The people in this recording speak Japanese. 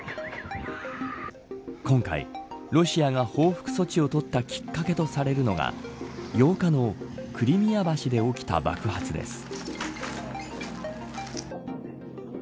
今回、ロシアが報復措置を取ったきっかけとされるのが８日のクリミア橋で起きた爆発です。